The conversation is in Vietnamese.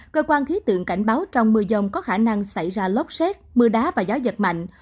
cơ quan khí tượng cảnh báo trong mưa dông có khả năng xảy ra lốc xét mưa đá và gió giật mạnh